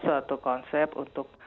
suatu konsep untuk